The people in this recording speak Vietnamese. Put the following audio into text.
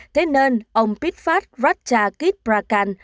thế nên ông pitfat ratchakit prakal